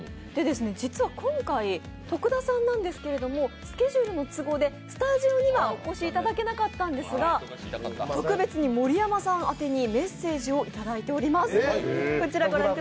実は今回、徳田さんなんですけど、スケジュールの都合でスタジオにはお越しいただけなかったんですが、特別に盛山さん宛にメッセージをいただいております。